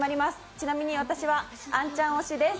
ちなみに私はアンちゃん推しです。